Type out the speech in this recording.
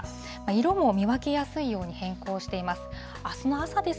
色も見分けやすいように変更しています。